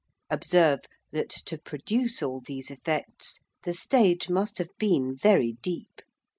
Observe that to produce all these effects the stage must have been very deep.